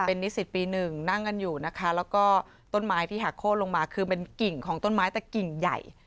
นิสิตปีหนึ่งนั่งกันอยู่นะคะแล้วก็ต้นไม้ที่หักโค้นลงมาคือเป็นกิ่งของต้นไม้แต่กิ่งใหญ่